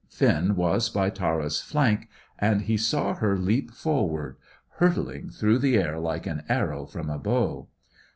Finn was by Tara's flank, and he saw her leap forward, hurtling through the air like an arrow from a bow.